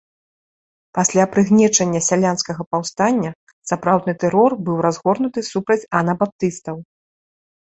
Пасля прыгнечання сялянскага паўстання сапраўдны тэрор быў разгорнуты супраць анабаптыстаў.